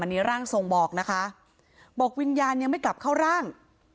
อันนี้ร่างทรงบอกนะคะบอกวิญญาณยังไม่กลับเข้าร่าง